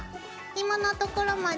ひものところまで。